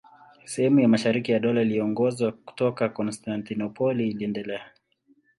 Sehemu ya mashariki ya Dola iliyoongozwa kutoka Konstantinopoli iliendelea.